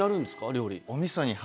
料理。